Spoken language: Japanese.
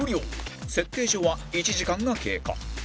設定上は１時間が経過